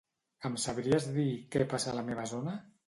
Em sabries dir què passa a la meva zona?